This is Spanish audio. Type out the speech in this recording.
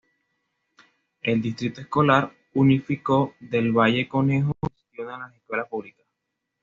El Distrito Escolar Unificado del Valle Conejo gestiona las escuelas públicas.